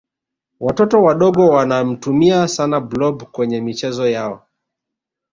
watoto wadogo wanamtumia sana blob kwenye michezo yao